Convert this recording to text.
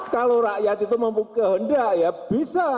kalau rakyat itu mempunyai kehendak ya bisa